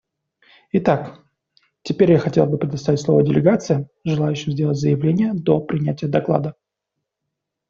Итак, теперь я хотел бы предоставить слово делегациям, желающим сделать заявление до принятия доклада.